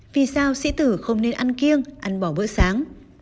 vì sao sĩ tử không nên ăn kiêng ăn bỏ bữa sáng